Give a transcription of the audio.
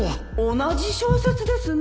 同じ小説ですね